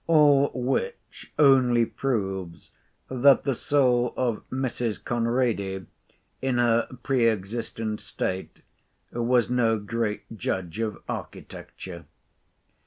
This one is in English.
All which only proves that the soul of Mrs. Conrady, in her pre existent state, was no great judge of architecture.